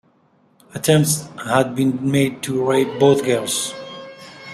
Attempts had been made to rape both girls.